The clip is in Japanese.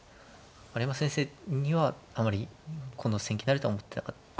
丸山先生にはあまりこの戦型になるとは思っていなかった。